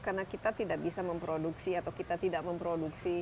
karena kita tidak bisa memproduksi atau kita tidak memproduksi